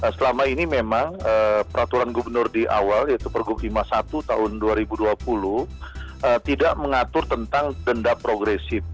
selama ini memang peraturan gubernur di awal yaitu pergub lima puluh satu tahun dua ribu dua puluh tidak mengatur tentang denda progresif